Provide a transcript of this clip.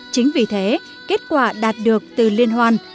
chính vì thế kết quả đạt được từ liên hoan